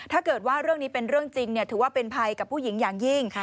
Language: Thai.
ถ้าเกิดว่าเรื่องนี้เป็นเรื่องจริงถือว่าเป็นภัยกับผู้หญิงอย่างยิ่ง